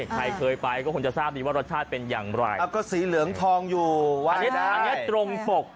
ใครเคยไปก็คงจะทราบดีว่ารสชาติเป็นอย่างไรก็สีเหลืองทองอยู่วานิดาอันนี้ตรงปก